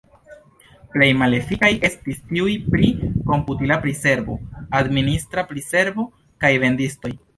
Plej malefikaj estis tiuj pri komputila priservo, administra priservo kaj vendistoj.